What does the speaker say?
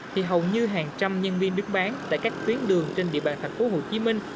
thì hầu như hàng trăm nhân viên nước bán tại các tuyến đường trên địa bàn thành phố hồ chí minh